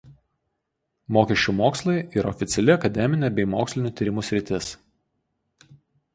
Mokesčių mokslai yra oficiali akademinė bei mokslinių tyrimų sritis.